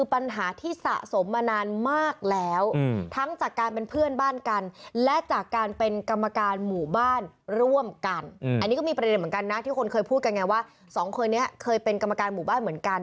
อันนี้ก็มีประเด็นเหมือนกันนะที่คนเคยพูดกันไงว่าสองคนนี้เคยเป็นกรรมการหมู่บ้านเหมือนกัน